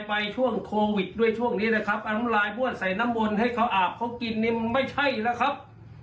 แบบนี้จะอยู่ในองค์การศัยศาสตร์ได้ยังไงนะครับ